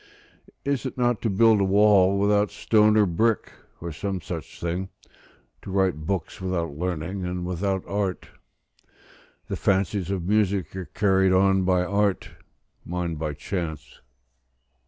Is it not to build a wall without stone or brick, or some such thing, to write books without learning and without art? The fancies of music are carried on by art; mine by chance.